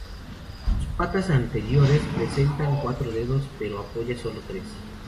Sus patas anteriores presentan cuatro dedos, pero apoya solo tres.